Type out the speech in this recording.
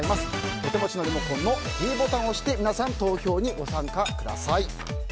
お手持ちのリモコンのｄボタンを押して皆さん、投票にご参加ください。